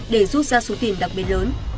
để rút ra số tiền đặc biệt lớn